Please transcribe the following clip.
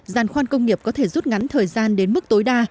giàn khoan công nghiệp có thể rút ngắn thời gian đến mức tối đa